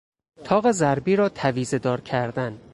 تاق ضربی را تویزهدار کردن